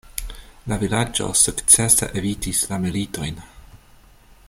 La vilaĝo sukcese evitis la militojn.